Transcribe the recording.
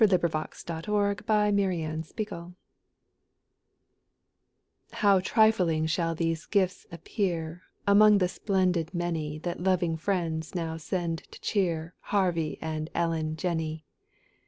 WITH TWO SPOONS FOR TWO SPOONS How trifling shall these gifts appear Among the splendid many That loving friends now send to cheer Harvey and Ellen Jenney.